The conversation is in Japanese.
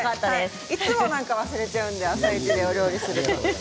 いつも何か忘れちゃうので「あさイチ」で料理すると。